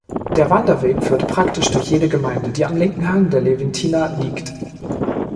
Der Wanderweg führt praktisch durch jede Gemeinde, die am linken Hang der Leventina liegt.